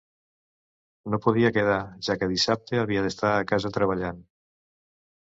No podia quedar, ja que dissabte havia d'estar a casa treballant.